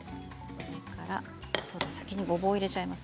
先にごぼうを入れちゃいます。